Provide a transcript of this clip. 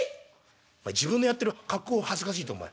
「お前自分のやってる格好を恥ずかしいと思え。